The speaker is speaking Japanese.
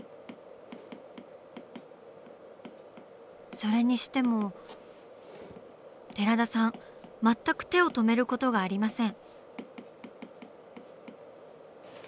それにしても寺田さん全く手を止めることがありません。